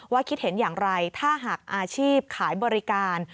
คิดเห็นอย่างไรถ้าหากอาชีพขายบริการ